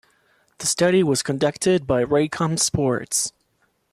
The study was conducted by Raycom Sports.